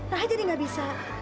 lah jadi nggak bisa